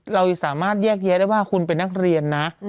เราสามารถแยกแยะได้ว่าคุณเป็นนักเรียนนะ